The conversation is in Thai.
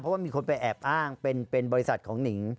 เพราะว่ามีคนไปแอบอ้างเป็นบริษัทของหนิง